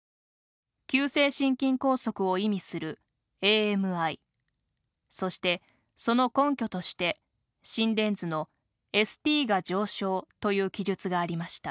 急性心筋梗塞を意味するＡＭＩそしてその根拠として心電図のＳＴが上昇という記述がありました。